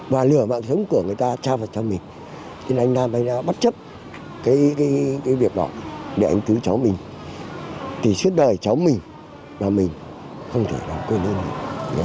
bất chấp việc gọi để cứu cháu mình thì suốt đời cháu mình và mình không thể nào cưới nơi này